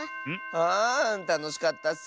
あたのしかったッス。